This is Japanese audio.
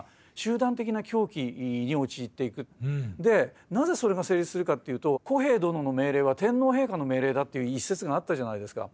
でなぜそれが成立するかっていうと古兵殿の命令は天皇陛下の命令だっていう一節があったじゃないですか。